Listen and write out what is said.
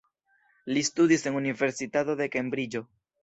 Li studis en Universitato de Kembriĝo.